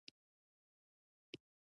آب وهوا د افغانستان د ښاري پراختیا سبب کېږي.